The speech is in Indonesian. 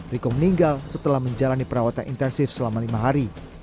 riko meninggal setelah menjalani perawatan intensif selama lima hari